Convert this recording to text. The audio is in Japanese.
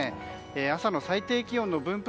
朝の最低気温の分布